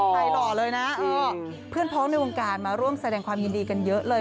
ไหล่หล่อเลยน่ะเออพี่พร้อมพร้อมในวงการมาร่วมแสดงความยืนดีกันเยอะเลย